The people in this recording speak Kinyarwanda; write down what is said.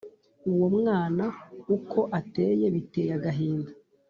Uwo mwana uko ateye biteye agahinda